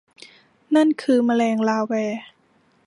นั่นคือแมลงลาแว